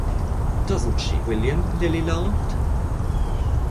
“Doesn’t she, William?” Lily laughed.